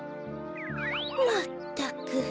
まったく。